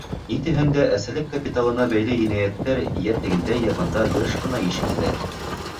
Ни тиһәң дә, әсәлек капиталына бәйле енәйәттәр йә тегендә, йә бында йыш ҡына ишетелә.